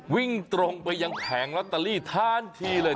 วิ่งตรงไปยังแผงลอตเตอรี่ทันทีเลย